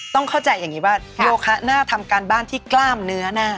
ต้องเข้าใจอย่างนี้ว่าโยคะน่าทำการบ้านที่กล้ามเนื้อหน้า